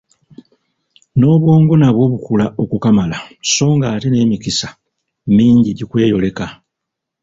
N'obwongo nabwo bukula okukamala so ng'ate n'emikisa mingi gikweyoleka.